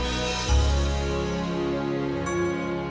sampai jumpa lagi